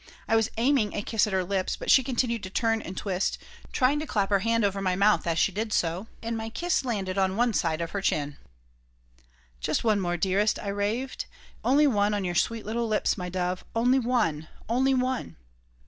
I was aiming a kiss at her lips, but she continued to turn and twist, trying to clap her hand over my mouth as she did so, and my kiss landed on one side of her chin "Just one more, dearest," I raved. "Only one on your sweet little lips, my dove. Only one. Only one."